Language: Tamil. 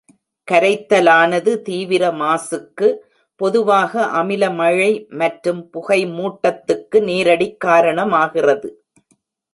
கரைத்தலானது தீவிர மாசுக்கு, பொதுவாக அமில மழை மற்றும் புகைமூட்டத்துக்கு நேரடிக் காரணமாகிறது.